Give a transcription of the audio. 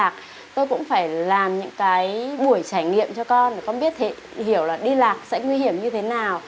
con phải làm những buổi trải nghiệm cho con để con biết hiểu đi lạc sẽ nguy hiểm như thế nào